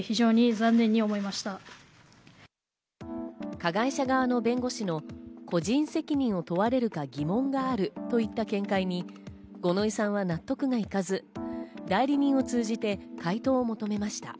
加害者側の弁護士の、個人責任を問われるか疑問があるといった見解に五ノ井さんは納得がいかず、代理人を通じて回答を求めました。